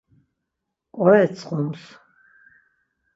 Ǩoretsxums.